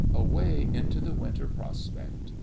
Away into the winter prospect.